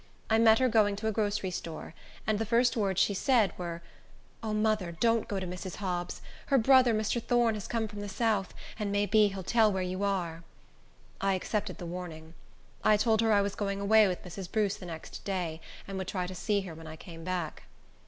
I met her going to a grocery store, and the first words she said, were, "O, mother, don't go to Mrs. Hobbs's. Her brother, Mr. Thorne, has come from the south, and may be he'll tell where you are." I accepted the warning. I told her I was going away with Mrs. Bruce the next day, and would try to see her when I came back.